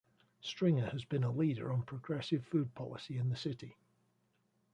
Stringer has been a leader on progressive food policy in the city.